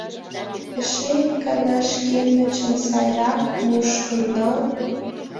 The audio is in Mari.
Эше ик гана шкендычым сайрак мушкын нал.